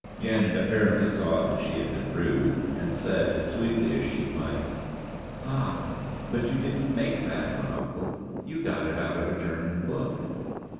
Janet apparently saw that she had been rude, and said as sweetly as she might "Ah! but you didn't make that one, uncle. You got it out of a German book."